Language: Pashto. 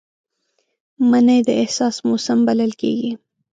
مني د احساس موسم بلل کېږي